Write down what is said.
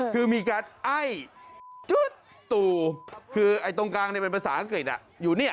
คือมีการไอตู่คือตรงกลางในภาษาอังกฤษอยู่เนี่ย